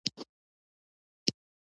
درېیم پړاو د ژوند د نويوالي پړاو دی